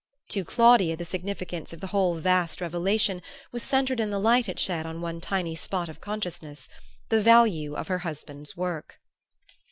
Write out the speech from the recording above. To Claudia the significance of the whole vast revelation was centred in the light it shed on one tiny spot of consciousness the value of her husband's work.